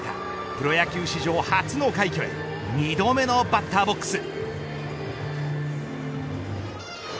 プロ野球史上初の快挙へ２度目のバッターボックス。